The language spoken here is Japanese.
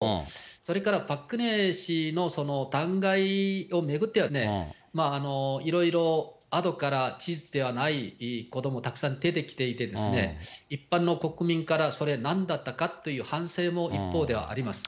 ですから、保守系の支持を意識したことと、それからパク・クネ氏の弾劾を巡っては、いろいろあとから事実ではないこともたくさん出てきていて、一般の国民からそれ、なんだったかという反省も一方ではあります。